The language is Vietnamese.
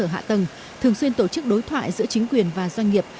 hạ tầng thường xuyên tổ chức đối thoại giữa chính quyền và doanh nghiệp